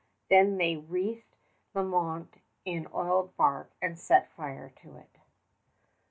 Then they wreathed Lalemant in oiled bark and set fire to it.